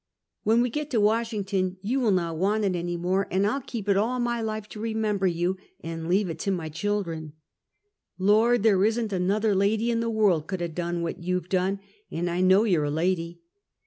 When we get to Washington, you will not want it any more, an' I'll keep it all my life to remember yon, and leave it to my children! Lord! there isn't another lady in the world could 'a done what you've done; an' I know you're a lady!